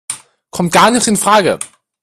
Kommt gar nicht infrage!